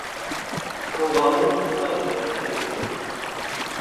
Tuɣaleḍ-aɣ d tisri.